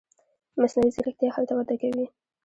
مصنوعي ځیرکتیا هلته وده کوي.